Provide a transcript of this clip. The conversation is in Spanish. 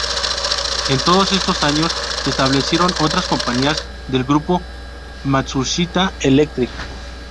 En todos estos años se establecieron otras compañías del grupo Matsushita Electric.